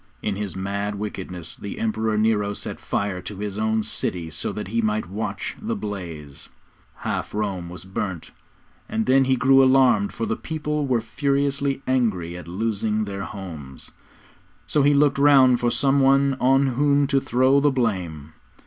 In his mad wickedness, the Emperor Nero set fire to his own city so that he might watch the blaze. Half Rome was burnt, and then he grew alarmed, for the people were furiously angry at losing their homes. So he looked round for some one on whom to throw the blame.